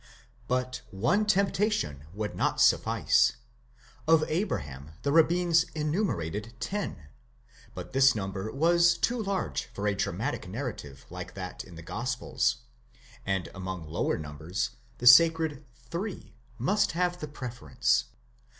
But one temptation would not suffice. Of Abraham the rabbins eae ten ; but this number was too large for a dramatic narrative like that in the gospels, and among lower numbers the sacred three must have the prefer ence.